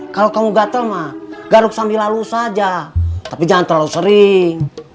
kalau kamu gatel mah garuk sambil lalu saja tapi jangan terlalu sering